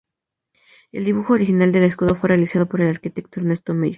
El dibujo original del escudo fue realizado por el arquitecto Ernesto Meyer.